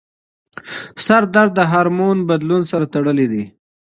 سردرد د هارمون بدلون سره تړلی دی.